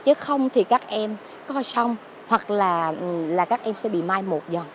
chứ không thì các em coi xong hoặc là các em sẽ bị mai một dần